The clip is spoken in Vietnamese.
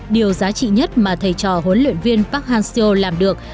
điều giá trị nhất mà thầy trò huấn luyện viên park hang seo làm được